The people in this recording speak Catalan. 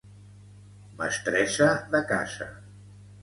Mestressa de casa.